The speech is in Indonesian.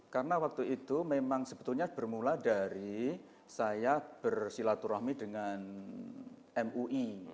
karena waktu itu memang sebetulnya bermula dari saya bersilaturahmi dengan mui